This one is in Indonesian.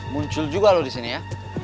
muncul juga loh disini ya